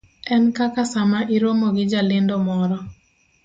en kaka sama iromo gi jalendo moro